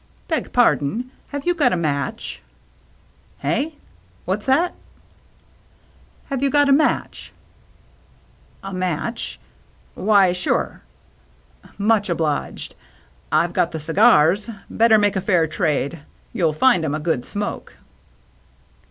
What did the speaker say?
" Beg pardon, have you got a match ?" "Hey? What's that?" " Have you got a match ?"" A match ? Why, sure." " Much obliged. I've got the cigars. Better make a fair trade. You'll find 'em a good smoke."